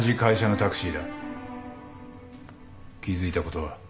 気付いたことは？